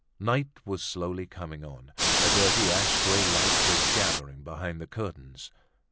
Night was slowly coming on; a dirty ashy grey light was gathering behind the curtains.